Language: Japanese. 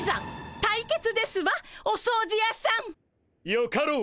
よかろう。